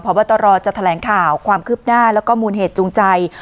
พบตรจะแถลงข่าวความคืบหน้าแล้วก็มูลเหตุจูงใจ